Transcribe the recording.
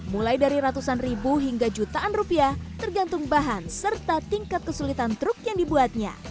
mulai dari ratusan ribu hingga jutaan rupiah tergantung bahan serta tingkat kesulitan truk yang dibuatnya